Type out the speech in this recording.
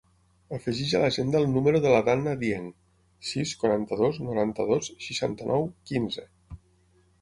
Afegeix a l'agenda el número de la Danna Dieng: sis, quaranta-dos, noranta-dos, seixanta-nou, quinze.